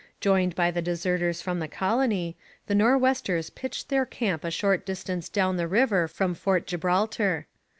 Joined by the deserters from the colony, the Nor'westers pitched their camp a short distance down the river from Fort Gibraltar.